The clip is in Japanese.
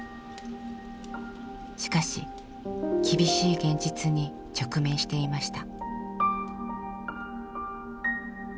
しかし厳しい現実に直面していました。